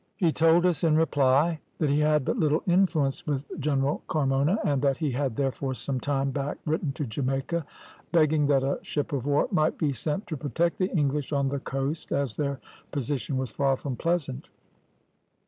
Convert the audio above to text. "He told us in reply that he had but little influence with General Carmona, and that he had, therefore, some time back written to Jamaica, begging that a ship of war might be sent to protect the English on the coast, as their position was far from pleasant.